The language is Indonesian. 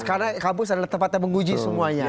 karena kampus adalah tempatnya penguji semuanya